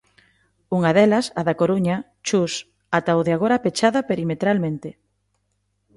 Unha delas, a da Coruña, Chus., ata o de agora pechada perimetralmente.